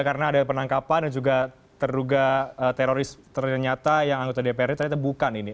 karena ada penangkapan dan juga terduga teroris ternyata yang anggota dpr ini ternyata bukan ini